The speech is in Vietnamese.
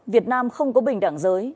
việt nam không có bình đẳng giới